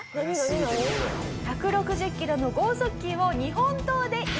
１６０キロの豪速球を日本刀で居合斬り。